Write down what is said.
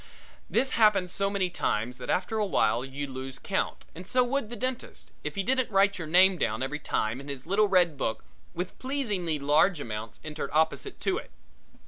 This happens so many times that after awhile you lose count and so would the dentist, if he didn't write your name down every time in his little red book with pleasingly large amounts entered opposite to it.